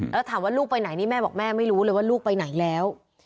แล้วถามว่าลูกไปไหนนี่แม่บอกแม่ไม่รู้เลยว่าลูกไปไหนแล้ว